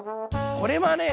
これはね